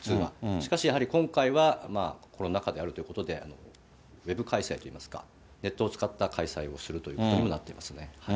しかしやはり、今回はコロナ禍であるということで、ウェブ開催といいますか、ネットを使った開催をするということにもなっていますね。